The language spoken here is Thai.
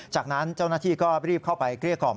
จากนั้นเจ้าหน้าที่ก็รีบเข้าไปเกลี้ยกล่อม